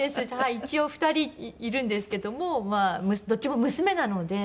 一応２人いるんですけどもまあどっちも娘なので。